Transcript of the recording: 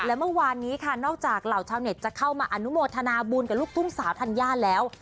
และเมื่อวานนี้ค่ะนอกจากเหล่าชาวเน็ตจะเข้ามาอนุโมทนาบุญกับลูกทุ่งสาวธัญญาแล้ว